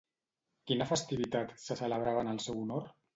Quina festivitat se celebrava en el seu honor?